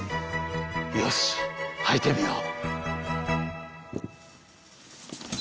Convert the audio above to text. よし履いてみよう。